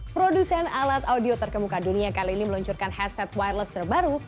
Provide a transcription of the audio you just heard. produsen alat audio terkemuka dunia kali ini meluncurkan heaset wireless terbaru